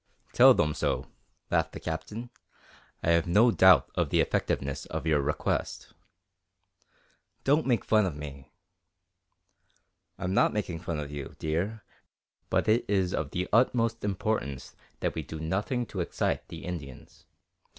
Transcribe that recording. "Tell them so," laughed the Captain. "I have no doubt of the effectiveness of your request." "Don't make fun of me." "I'm not making fun of you, dear, but it is of the utmost importance that we do nothing to excite the Indians.